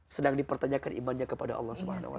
sedang dipertanyakan imannya kepada allah swt